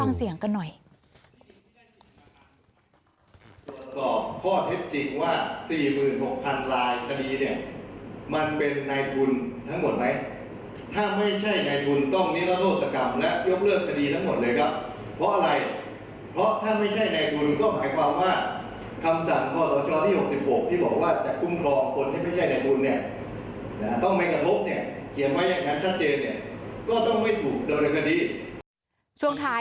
ถ้าไม่ใช่ในทุนต้องเนราโทษกรรมและยกเลิกคดีทั้งหมดเลยครับ